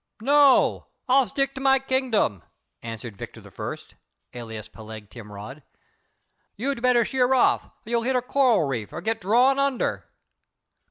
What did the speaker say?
"No; I'll stick to my kingdom," answered Victor I., alias Peleg Timrod. "You'd better sheer off; you'll hit a coral reef or get drawn under."